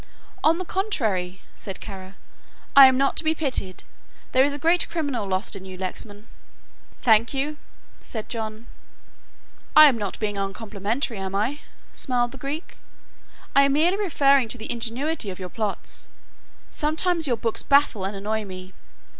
"On the contrary," said Kara, "I am not to be pitied. There is a great criminal lost in you, Lexman." "Thank you," said John. "I am not being uncomplimentary, am I?" smiled the Greek. "I am merely referring to the ingenuity of your plots. Sometimes your books baffle and annoy me.